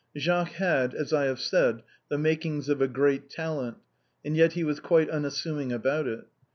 Jacques had, as I have said, the makings of a great talent, and yet he was quite unassuming about it.